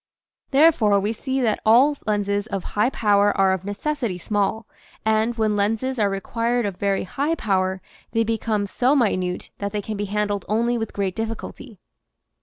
Therefore we see that all lenses of high power are of necessity small, and when lenses are required of very high power they become so minute that they can be handled only with great difficulty.